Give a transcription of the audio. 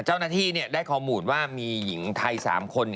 เจ้าหน้าที่ได้ข้อมูลว่ามีหญิงไทย๓คน